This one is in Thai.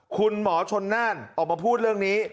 คุณหมอชนน่านออกมาพูดเรื่องนี้